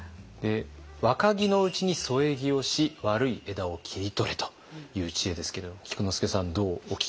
「若木のうちに添え木をし悪い枝を切り取れ」という知恵ですけれども菊之助さんどうお聞きになりました？